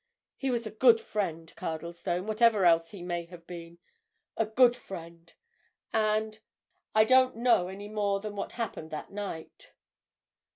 He was a good friend, Cardlestone, whatever else he may have been—a good friend. And—I don't know any more than what happened that night."